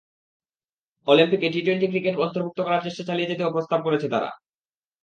অলিম্পিকে T twenty cricket অন্তর্ভুক্ত করার চেষ্টা চালিয়ে যেতেও প্রস্তাব করেছে তারা।